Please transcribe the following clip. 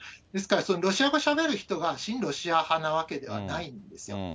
ですからロシア語しゃべる人が、親ロシア派なわけではないんですよ。